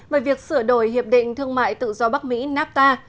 về việc sửa đổi hiệp định thương mại tự do bắc mỹ nafta